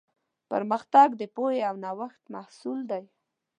پرمختګ د پوهې او نوښت محصول دی.